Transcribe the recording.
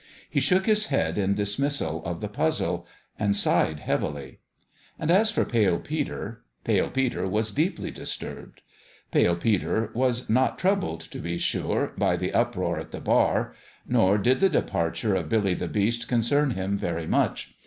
He shook his head in dismissal of the puzzle and sighed heavily. And as for Pale Peter Pale Peter was deeply disturbed. Pale Peter was not troubled, to be sure, by the uproar in the bar; nor did the departure of Billy the Beast concern him very much.